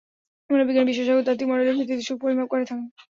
মনোবিজ্ঞান বিশেষজ্ঞরা তাত্ত্বিক মডেলের ভিত্তিতে সুখ পরিমাপ করে থাকেন।